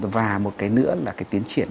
và một cái nữa là cái tiến triển